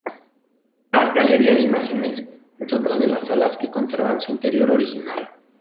La "Galería de imágenes" es otra de las salas que conservan su interior original.